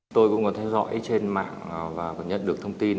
tôi cũng muốn theo dõi trên mạng và nhận được thông tin